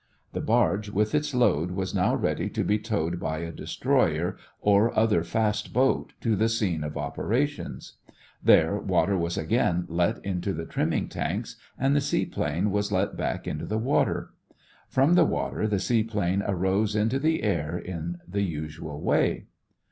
The barge with its load was now ready to be towed by a destroyer or other fast boat to the scene of operations. There water was again let into the trimming tanks and the seaplane was let back into the water. From the water the seaplane arose into the air in the usual way.